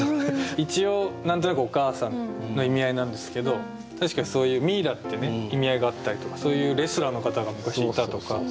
一応何となく「お母さん」の意味合いなんですけど確かにそういうミイラってね意味合いがあったりとかそういうレスラーの方が昔いたとかそういうのはありました。